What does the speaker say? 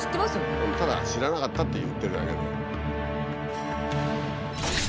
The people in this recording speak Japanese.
ただ「知らなかった」って言ってるだけで。